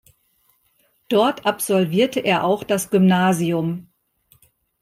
Dort absolvierte er auch das Gymnasium.